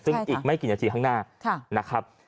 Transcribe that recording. ซึ่งอีกไม่กี่นาทีข้างหน้านะครับ